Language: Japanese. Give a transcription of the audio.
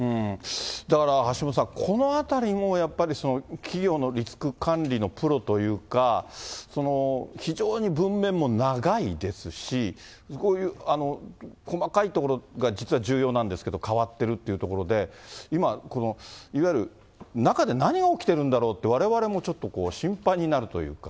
だから橋下さん、このあたりもやっぱり企業のリスク管理のプロというか、非常に文面も長いですし、こういう細かいところが実は重要なんですけど、変わってるというところで、今、いわゆる中で何が起きてるんだろうって、われわれもちょっと心配になるというか。